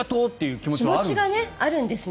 気持ちがあるんですね